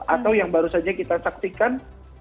atau yang baru saja kita saksikan